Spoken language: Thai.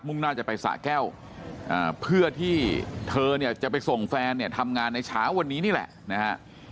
่งหน้าจะไปสะแก้วเพื่อที่เธอเนี่ยจะไปส่งแฟนเนี่ยทำงานในเช้าวันนี้นี่แหละนะฮะ